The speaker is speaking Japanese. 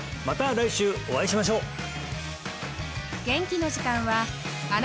また来週お会いしましょう！